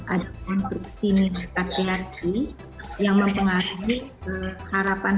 ada konstruksi kategori yang mempengaruhi harapan harapan